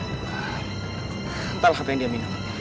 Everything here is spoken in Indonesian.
entah apa yang dia minum